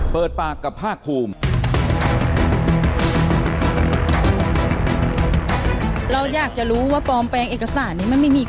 เปิดปากกับภาคภูมิ